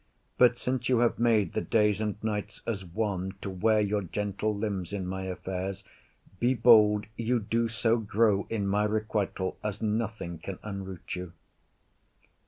But since you have made the days and nights as one, To wear your gentle limbs in my affairs, Be bold you do so grow in my requital As nothing can unroot you.